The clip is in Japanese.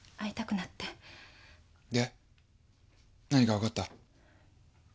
で何か分かった？